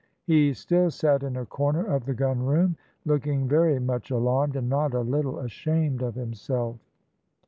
He still sat in a corner of the gunroom, looking very much alarmed, and not a little ashamed of himself.